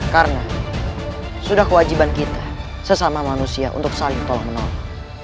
karena sudah kewajiban kita sesama manusia untuk saling tolong menolong